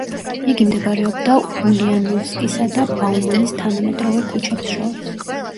იგი მდებარეობდა ულიანოვსკისა და ბაუმანის თანამედროვე ქუჩებს შორის.